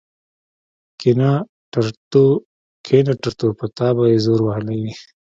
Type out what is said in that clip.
کېنه ټرتو په تا به يې زور وهلی وي.